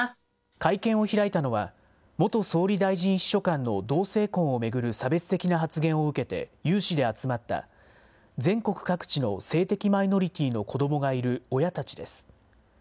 会見を開いたのは、元総理大臣秘書官の同性婚を巡る差別的な発言を受けて、有志で集まった、全国各地の性的マイノリティーの子どもがいる親たちです。